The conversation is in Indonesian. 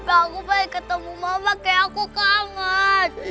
tapi aku balik ketemu mama kayak aku kangen